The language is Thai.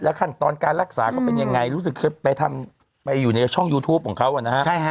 และขั้นตอนการรักษาก็เป็นอย่างไรรู้สึกไปทำไปอยู่ในช่องยูทูปของเขานะครับ